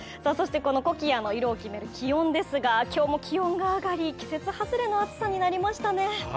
このコキアの色を決める気温ですが、今日も気温が上がり、季節外れの暑さになりましたね。